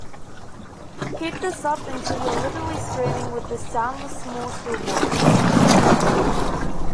Keep this up until you are literally screaming with this soundless small still voice.